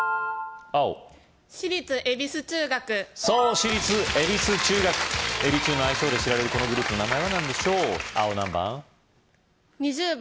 青私立恵比寿中学そう私立恵比寿中学エビ中の愛称で知られるこのグループの名前は何でしょう青何番？